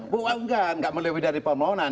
bukan gak melebihi dari pemohonan